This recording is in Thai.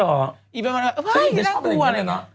ไอ้แม่บ้านว่าเฮ้ยทำตัวอะไรเนอะ